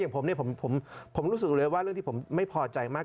ผมเนี่ยผมรู้สึกเลยว่าเรื่องที่ผมไม่พอใจมาก